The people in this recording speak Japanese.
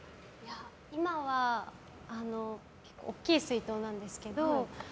今は大きい水筒なんですけど